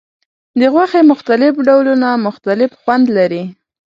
د غوښې مختلف ډولونه مختلف خوند لري.